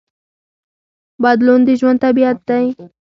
بدلون د ژوند طبیعت دی.